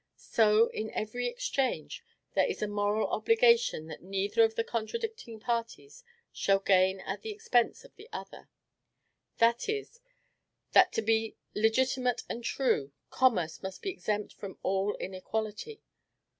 So, in every exchange, there is a moral obligation that neither of the contracting parties shall gain at the expense of the other; that is, that, to be legitimate and true, commerce must be exempt from all inequality.